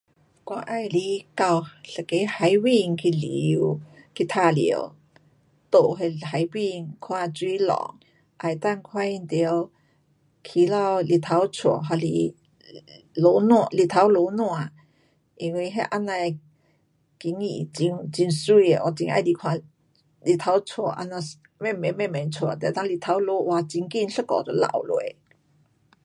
我喜欢到一个海边去旅游，去玩耍，住那海边，看水浪，也能够看见到起早日头出还是落山，日头落山。因为那这样的境界很美，我很喜欢看日头出这样慢慢慢慢出，等下日头落，哇，很快，一下就落下。